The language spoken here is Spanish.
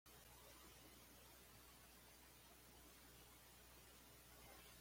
Cuando fue rescatado, lo llevaron de urgencia al hospital.